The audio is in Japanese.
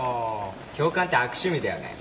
教官って悪趣味だよね。